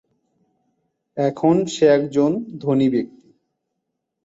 এখন সে একজন ধনী ব্যক্তি।